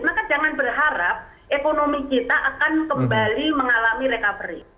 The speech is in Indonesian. maka jangan berharap ekonomi kita akan kembali mengalami recovery